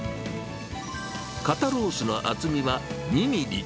肩ロースの厚みは２ミリ。